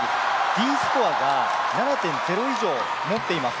Ｄスコアが７．０以上、持っています。